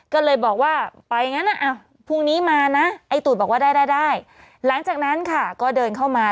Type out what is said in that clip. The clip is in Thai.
ก็เลยบอกว่าไปงั้นพรุ่งนี้มานะไอ้ตูดบอกว่าได้ได้หลังจากนั้นค่ะก็เดินเข้ามา